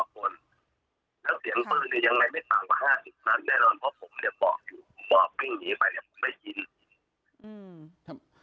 เผอเยอะมั้ยคะ